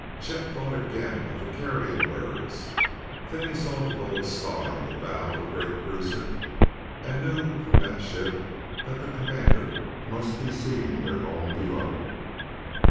Chet thought again of the carrion birds; then he saw the gold star on the bow of a great cruiser and knew from that ship that the Commander must be seeing their own below.